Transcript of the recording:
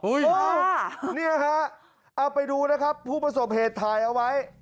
นี่ฮะเอาไปดูนะครับผู้ประสบเหตุถ่ายเอาไว้